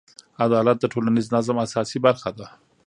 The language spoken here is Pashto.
عدالت د ټولنیز نظم اساسي برخه ده.